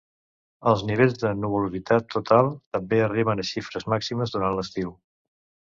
Els nivells de nuvolositat total també arriben a xifres màximes durant l'estiu.